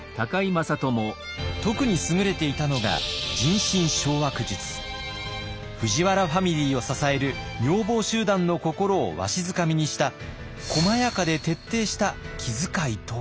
特に優れていたのが藤原ファミリーを支える女房集団の心をわしづかみにした細やかで徹底した気遣いとは？